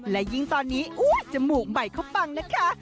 และยิ่งตอนนี้จมูกใบเข้าปังนะครับ